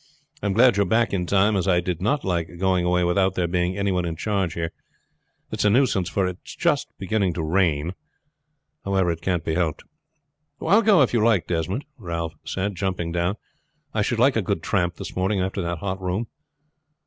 I am glad you are back in time, as I did not like going away without there being any one in charge here. It's a nuisance; for it is just beginning to rain. However, it can't be helped." "I will go if you like Desmond," Ralph said, jumping down. "I should like a good tramp this morning after that hot room."